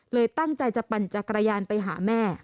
ตั้งใจจะปั่นจักรยานไปหาแม่